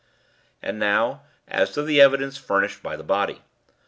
"And now as to the evidence furnished by the body.